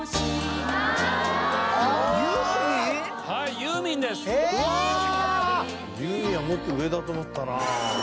「ユーミンはもっと上だと思ったなあ」